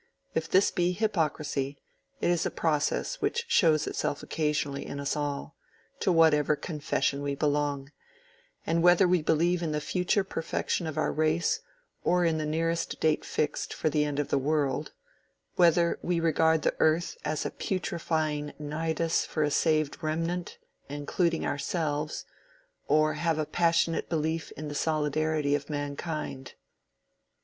If this be hypocrisy, it is a process which shows itself occasionally in us all, to whatever confession we belong, and whether we believe in the future perfection of our race or in the nearest date fixed for the end of the world; whether we regard the earth as a putrefying nidus for a saved remnant, including ourselves, or have a passionate belief in the solidarity of mankind.